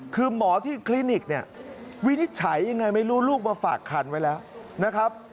คือหมอที่คลินิกเนี่ยวินิจฉัยยังไงไม่รู้ลูกมาฝากคันไว้แล้วนะครับ